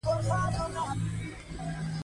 تا هغه په بل نامه او بله څېره پېژانده.